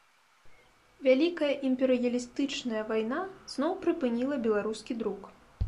Вялікая імперыялістычная вайна зноў прыпыніла беларускі друк.